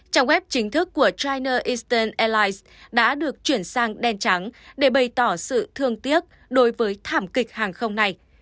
trang web chính thức của chiner istan airlines đã được chuyển sang đen trắng để bày tỏ sự thương tiếc đối với thảm kịch hàng không này